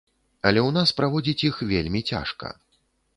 Але ў нас праводзіць іх вельмі цяжка.